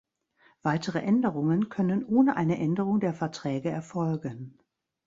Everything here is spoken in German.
Weitere Änderungen können ohne eine Änderung der Verträge erfolgen.